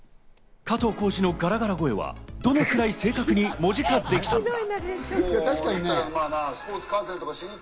加藤浩次のガラガラ声はどのくらい正確に文字化できたのか。